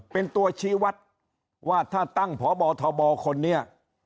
เป็นตัวชี้วัดว่าถ้าตั้งพบทบคนนี้